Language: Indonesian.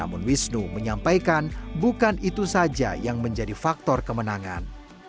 namun wisnu menyampaikan bukan itu saja yang menjadi faktor kemenangan